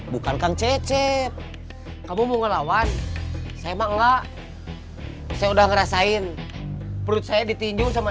bukan kang cecep kamu mau ngelawan saya emang enggak saya udah ngerasain perut saya ditinju sama